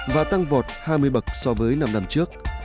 và tăng vọt hai mươi bậc so với năm năm trước